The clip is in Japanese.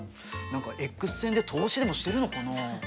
何かＸ線で透視でもしてるのかな？